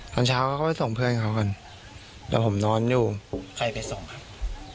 ตอนเช้าเขาก็ไปส่งเพื่อนเขากันแล้วผมนอนอยู่ใครไปส่งครับ